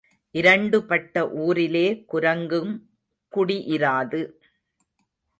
இரண்டு பட்ட ஊரிலே குரங்கும் குடி இராது.